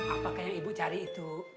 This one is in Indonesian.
apakah ibu cari itu